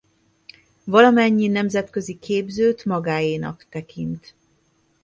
Valamennyi nemzetközi képzőt magáénak tekint.